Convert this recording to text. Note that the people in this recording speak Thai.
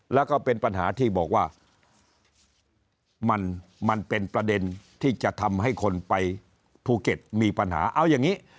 แล้วก็เป็นปัญหาที่บอกว่ามันเป็นประเด็นที่จะทำให้คนไปภูเก็ตมีปัญหาเอาอย่างนี้